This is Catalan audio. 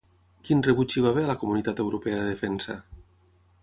Quin rebuig hi va haver a la Comunitat Europea de Defensa?